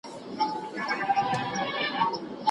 نو ځکه یې د تاوان پر ځای ګټه وکړه.